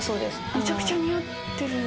めちゃくちゃ似合ってる。